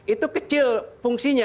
itu kecil fungsinya